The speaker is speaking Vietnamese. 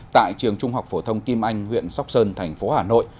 tại trường trung học phổ thông kim anh huyện sóc sơn thành phố hà nội